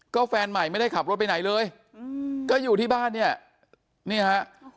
ก็แฟนใหม่ไม่ได้ขับรถไปไหนเลยก็อยู่ที่บ้านเนี่ยนี่ฮะ